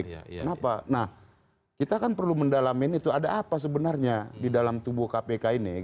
kenapa nah kita kan perlu mendalamin itu ada apa sebenarnya di dalam tubuh kpk ini